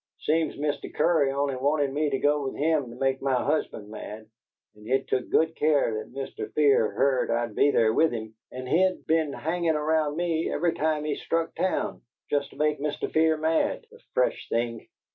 Seems this Cory only wanted me to go with him to make my husband mad, and he'd took good care that Mr. Fear heard I'd be there with him! And he'd be'n hangin' around me, every time he struck town, jest to make Mr. Fear mad the fresh thing!